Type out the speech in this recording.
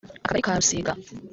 Akagari ka Rusiga